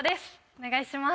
お願いします。